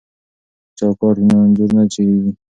که چوکاټ وي نو انځور نه څیریږي.